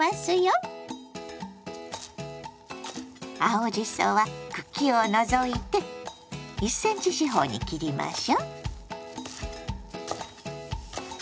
青じそは茎を除いて１ｃｍ四方に切りましょう。